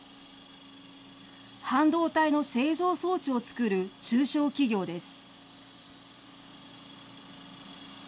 半導体の製造装置を作る中小企業です。